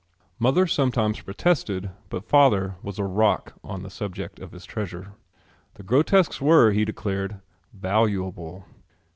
Mother sometimes protested but father was a rock on the subject of his treasure. The grotesques were, he declared, valuable.